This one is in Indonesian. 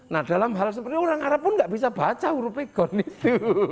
nah dalam hal seperti orang arab pun nggak bisa baca huruf pigon itu